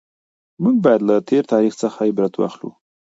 موږ باید له تېر تاریخ څخه عبرت واخلو.